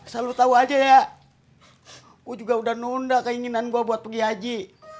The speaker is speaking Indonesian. selalu tahu aja ya gue juga udah nunda keinginan gue buat pergi haji